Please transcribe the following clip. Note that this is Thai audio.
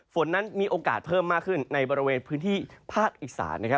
ฝนนั้นมีโอกาสเพิ่มมากขึ้นในบาระเวทรพื้นที่ภาคอิสาร